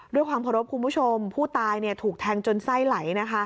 ด้วยความขอบคุณผู้ชมผู้ตายถูกแทงจนไส้ไหล